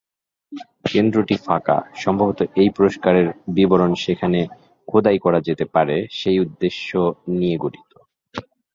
কেন্দ্রটি ফাঁকা, সম্ভবত এই পুরষ্কারের বিবরণ সেখানে খোদাই করা যেতে পারে সেই উদ্দেশ্য নিয়ে গঠিত।